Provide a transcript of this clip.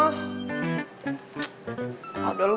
aduh raya gue gak mau ikutan lah